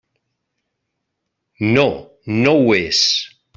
No, no ho és.